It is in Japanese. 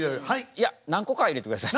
いや何個かは入れてください。